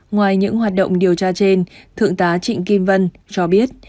ngoài những hoạt động điều tra trên thượng tá trịnh kim vân cho biết